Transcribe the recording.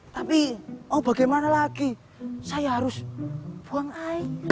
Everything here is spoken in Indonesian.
tapi mau bagaimana lagi saya harus buang air